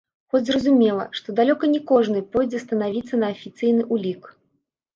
Хоць зразумела, што далёка не кожны пойдзе станавіцца на афіцыйны ўлік.